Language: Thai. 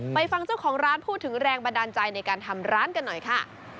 ฟังเจ้าของร้านพูดถึงแรงบันดาลใจในการทำร้านกันหน่อยค่ะ